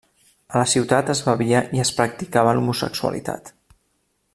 A la ciutat es bevia i es practicava l'homosexualitat.